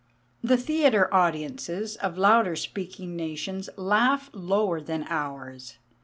The theatre audiences of louder speaking nations laugh lower than ours.